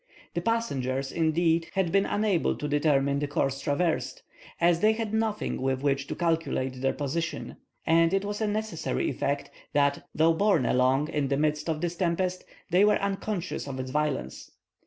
The passengers, indeed, had been unable to determine the course traversed, as they had nothing with which to calculate their position; and it was a necessary effect, that, though borne along in the midst of this tempest; they were unconscious of its violence.